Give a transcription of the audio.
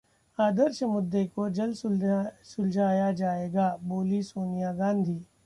आदर्श मुद्दे को जल्द सुलझाया जाएगा, बोलीं सोनिया गांधी